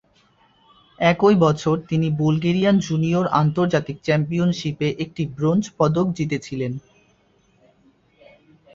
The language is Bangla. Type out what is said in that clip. একই বছর, তিনি বুলগেরিয়ান জুনিয়র আন্তর্জাতিক চ্যাম্পিয়নশিপে একটি ব্রোঞ্জ পদক জিতেছিলেন।